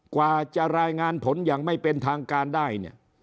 กว่าจะรายงานผลอย่างไม่เป็นทางการได้เนี่ย